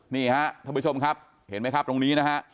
ท่านผู้ชมครับเห็นไหมตรงนี้